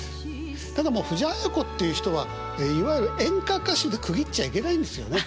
ただもう藤あや子っていう人はいわゆる「演歌歌手」で区切っちゃいけないんですよね。